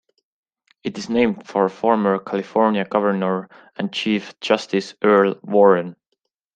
It is named for former California Governor and Chief Justice Earl Warren.